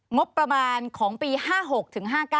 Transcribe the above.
งบประมาณของปี๕๖ถึง๕๙